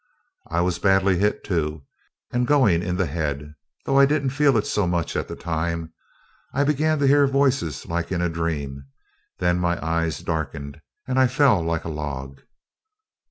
I was badly hit too, and going in the head, though I didn't feel it so much at the time. I began to hear voices like in a dream; then my eyes darkened, and I fell like a log.